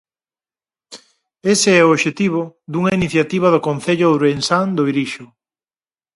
Ese é obxectivo dunha iniciativa do concello ourensán do Irixo.